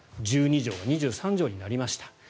１２畳が２３畳になりました。